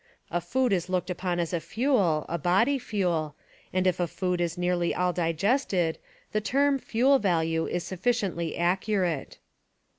A food is looked upon as a fuel, — a body fuel, — and if a food is nearly all digested, the term "fuel value" is sufficiently accurate.